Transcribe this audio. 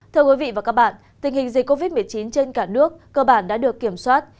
thưa quý vị và các bạn tình hình dịch covid một mươi chín trên cả nước cơ bản đã được kiểm soát